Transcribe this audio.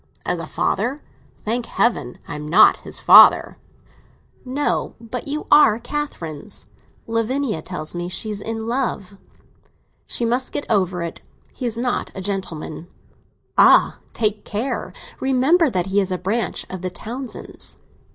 "As a father? Thank Heaven I am not his father!" "No; but you are Catherine's. Lavinia tells me she is in love." "She must get over it. He is not a gentleman." "Ah, take care! Remember that he is a branch of the Townsends."